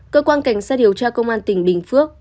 cơ quan cảnh sát điều tra công an tỉnh bình phước